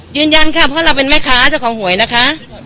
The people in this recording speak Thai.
ยืนยันค่ะเพราะเราเป็นแม่ค้าเจ้าของหวยนะคะ